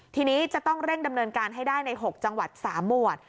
ทีนี้จะต้องเร่งดำเนินการให้ได้ใน๖จังหวัด๓หมวด